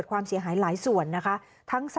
เผื่อ